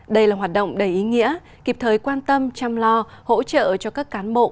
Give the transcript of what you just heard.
đây là hoạt động đầy ý nghĩa kịp thời quan tâm chăm lo hỗ trợ cho các cán bộ